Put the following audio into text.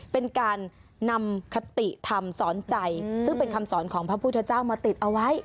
เป็นการนำคติธรรมสอนใจซึ่งเป็นคำสอนของพระพุทธเจ้ามาติดเอาไว้